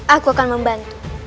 aku akan membantu